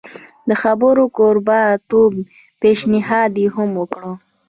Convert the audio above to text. د خبرو کوربه توب پېشنهاد یې هم وکړ.